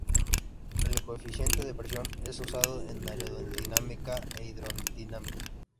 El coeficiente de presión es usado en aerodinámica e hidrodinámica.